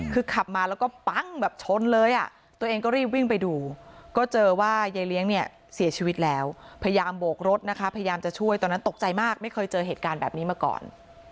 คือขับมาแล้วก็ปั้งแบบชนเลยอ่ะตัวเองก็รีบวิ่งไปดูก็เจอว่ายายเลี้ยงเนี่ยเสียชีวิตแล้วพยายามโบกรถนะคะพยายามจะช่วยตอนนั้นตกใจมากไม่เคยเจอเหตุการณ์แบบนี้มาก่อน